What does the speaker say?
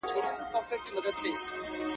دا باید په ښکاره وویل شي؛